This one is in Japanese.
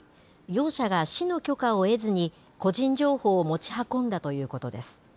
業者が市の許可を得ずに、個人情報を持ち運んだということです。